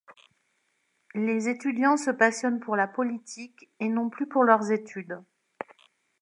Les étudiants se passionnent pour la politique et non plus pour leurs études.